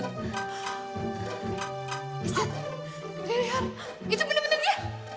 eh lihat itu bener bener dia